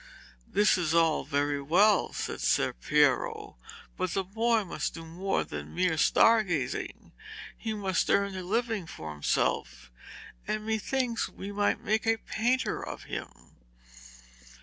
'This is all very well,' said Ser Piero, 'but the boy must do more than mere star gazing. He must earn a living for himself, and methinks we might make a painter of him.'